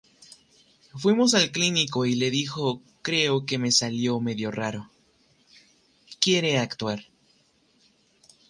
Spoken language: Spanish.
Fuimos al clínico y le dijo Creo que me salió medio raro… quiere actuar.